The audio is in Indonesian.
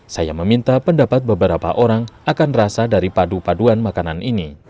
saya meminta pendapat beberapa orang akan rasa dari padu paduan makanan ini